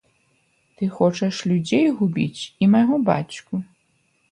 Ты хочаш людзей губіць і майго бацьку.